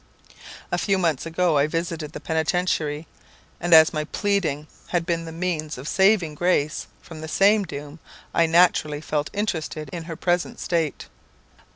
"A few months ago I visited the Penitentiary; and as my pleading had been the means of saving Grace from the same doom, I naturally felt interested in her present state.